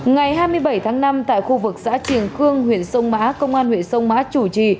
ngày hai mươi bảy tháng năm tại khu vực xã triền khương huyện sông má công an huyện sông má chủ trì